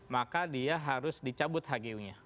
maka dia harus dicabut hgu nya